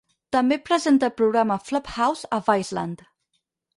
També presenta el programa Flophouse a Viceland.